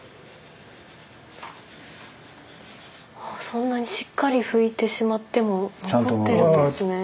そんなにしっかりふいてしまっても残ってるんですね。